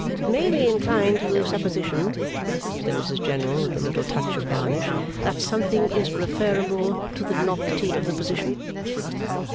'May we incline to the supposition,' said Mrs General, with a little touch of varnish, 'that something is referable to the novelty of the position?